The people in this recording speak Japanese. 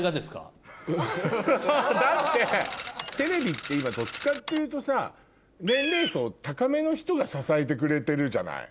ハハハだってテレビって今どっちかっていうとさ年齢層高めの人が支えてくれてるじゃない。